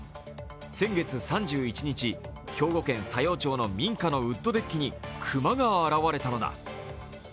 先月３１日、兵庫県佐用町の民家のウッドデッキに熊が現れたのだ。